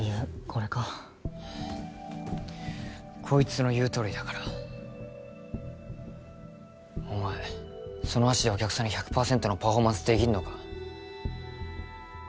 これかこいつの言うとおりだからお前その足でお客さんに１００％のパフォーマンスできんのか？